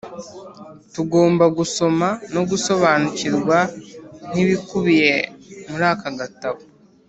tugomba gusoma no gusobanukirwa n'ibikubiye muri aka gatabo,